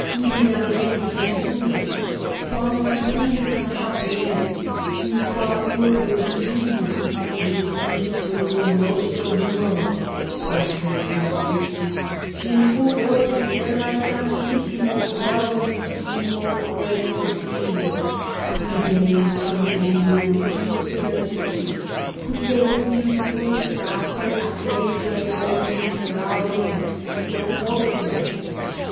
ubinam gentium sumus? quam rem publicam habemus? in qua urbe vivimus? Hic, hic sunt in nostro numero, patres conscripti, in hoc orbis terrae sanctissimo gravissimoque consilio, qui de nostrum omnium interitu, qui de huius urbis atque adeo de orbis terrarum exitio cogitent.